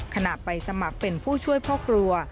ขณะไปสมัครเป็นผู้ช่วยพ่อครัว